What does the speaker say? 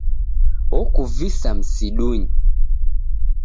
Okuvisa msidunyi